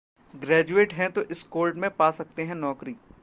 graduate हैं तो इस कोर्ट में पा सकते हैं नौकरी